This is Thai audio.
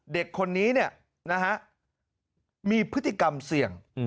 เด็กคนนี้เนี่ยนะฮะมีพฤติกรรมเสี่ยง